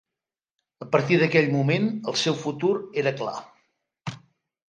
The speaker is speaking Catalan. A partir d'aquell moment, el seu futur era clar.